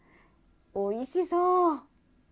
おいしそう！